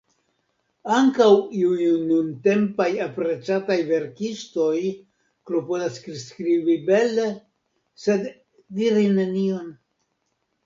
Ankaŭ iuj nuntempaj, aprecataj verkistoj klopodas skribi bele, sed diri nenion.